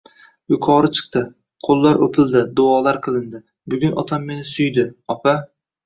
Yuqori chiqdi. Qo'llar o'pildi, duolar qilindi, Bugun otam meni suydi, opa.